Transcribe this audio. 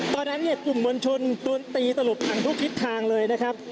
ตอนนั้นเนี่ยกลุ่มมวลชนโดนตีตลบถังทุกทิศทางเลยนะครับ